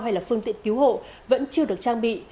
hay là phương tiện cứu hộ vẫn chưa được trang bị